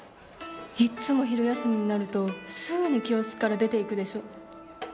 いっつも昼休みになるとすぐに教室から出ていくでしょ。